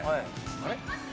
あれ？